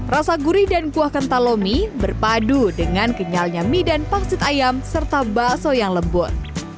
rasa gurih dan kuah kentalomi berpadu dengan kenyalnya mie dan pangsit ayam serta bakso yang lembut